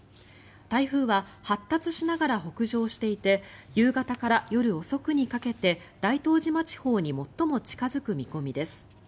台風は発達しながら北上していて夕方から夜遅くにかけて大東島地方に最も近付く見込みです。